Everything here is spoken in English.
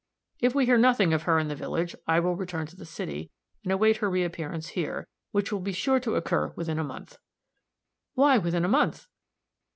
If we hear nothing of her in the village, I will return to the city, and await her reäppearance here, which will be sure to occur within a month." "Why within a month?"